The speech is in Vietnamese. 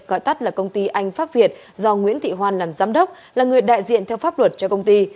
gọi tắt là công ty anh pháp việt do nguyễn thị hoan làm giám đốc là người đại diện theo pháp luật cho công ty